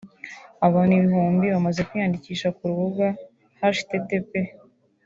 abantu ibihumbi bamaze kwiyandikisha ku rubuga http